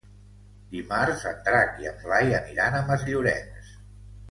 Dimarts en Drac i en Blai aniran a Masllorenç.